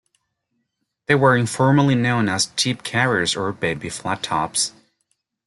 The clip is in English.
They were informally known as "Jeep carriers" or "baby flattops".